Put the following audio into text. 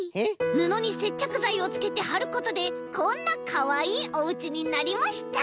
ぬのにせっちゃくざいをつけてはることでこんなかわいいおうちになりました！